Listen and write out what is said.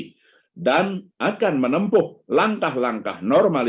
pada secara memulai dari jawadiputi